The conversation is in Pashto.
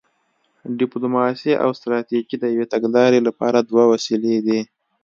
ډیپلوماسي او ستراتیژي د یوې تګلارې لپاره دوه وسیلې دي